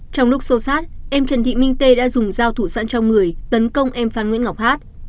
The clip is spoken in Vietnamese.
trong lúc xô sát em trần thị minh tê đã dùng dao thủ sẵn trong người tấn công em phan nguyễn ngọc hát